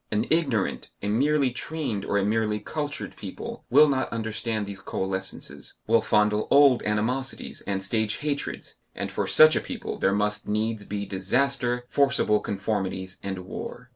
An ignorant, a merely trained or a merely cultured people, will not understand these coalescences, will fondle old animosities and stage hatreds, and for such a people there must needs be disaster, forcible conformities and war.